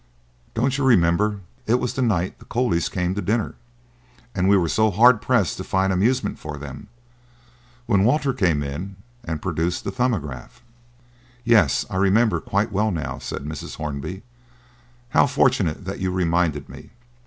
"Don't you remember? It was the night the Colleys came to dinner, and we were so hard pressed to find amusement for them, when Walter came in and produced the 'Thumbograph.'" "Yes, I remember quite well now," said Mrs. Hornby. "How fortunate that you reminded me.